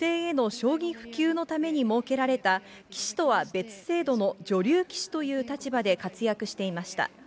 その後は女性への将棋普及のために設けられた、棋士とは別制度の女流棋士という立場で活躍していました。